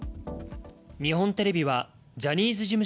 日本テレビはジャニーズ事務